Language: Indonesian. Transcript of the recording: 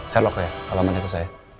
saya log ya alamannya ke saya